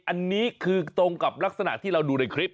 อันนี้คือตรงกับลักษณะที่เราดูในคลิป